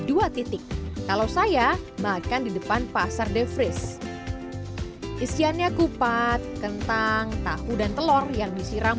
dua titik kalau saya makan di depan pasar defris isiannya kupat kentang tahu dan telur yang disiram